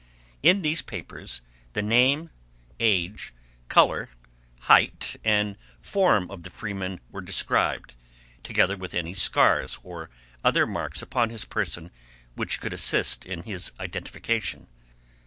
In these papers the name, age, color, height, and form of the freeman were described, together with any scars or other marks upon his person which could assist in his identification.